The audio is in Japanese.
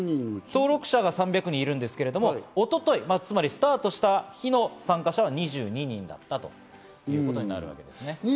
登録者が３００人いるんですけど、一昨日スタートした時の参加者が２２人だということになるわけです。